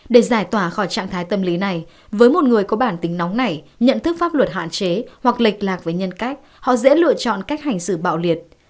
để giải tỏa khỏi trạng thái tâm lý này với một người có bản tính nóng này nhận thức pháp luật hạn chế hoặc lịch lạc với nhân cách họ dễ lựa chọn cách hành xử bạo liệt